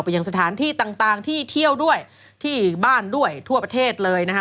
ยังสถานที่ต่างที่เที่ยวด้วยที่บ้านด้วยทั่วประเทศเลยนะคะ